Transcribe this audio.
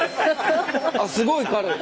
あっすごい軽い！